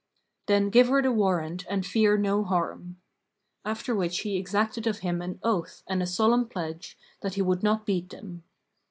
Then give her the warrant and fear no harm." After which he exacted of him an oath and a solemn pledge that he would not beat them.